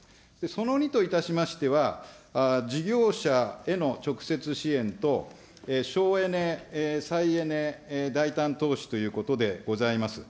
その２といたしましては、事業者への直接支援、省エネ、再エネ大胆投資ということでございます。